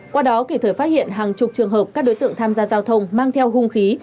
qua đó kịp thời phát hiện hàng chục trường hợp các đối tượng tham gia giao thông mang theo hung khí